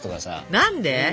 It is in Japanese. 何で？